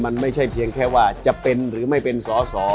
มันไม่ใช่เพียงแค่ว่าจะเป็นหรือไม่เป็นสอสอ